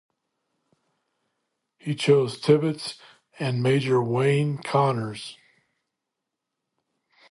He chose Tibbets and Major Wayne Connors.